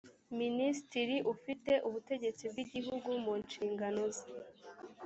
minisitiri ufite ubutegetsi bw igihugu mu nshingano ze